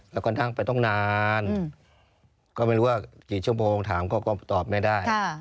แล้วก็นั่งไปต้องนานก็ไม่รู้ว่ากี่ชั่วโมงถามก็ตอบไม่ได้